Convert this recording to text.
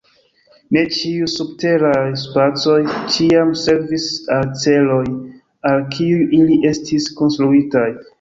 Ne ĉiuj subteraj spacoj ĉiam servis al celoj, al kiuj ili estis konstruitaj.